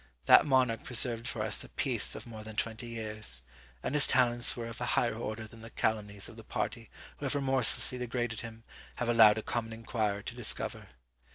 That monarch preserved for us a peace of more than twenty years; and his talents were of a higher order than the calumnies of the party who have remorselessly degraded him have allowed a common inquirer to discover.